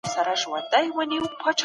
د توکو بیې هره ورځ بدلیږي.